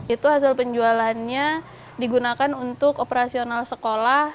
itu hasil penjualannya digunakan untuk operasional sekolah